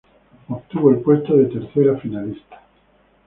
Obtuvo el puesto de tercera finalista.